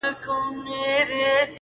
نن شپه د ټول كور چوكيداره يمه!